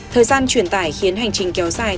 thời gian chuyển tải khiến hành trình kéo dài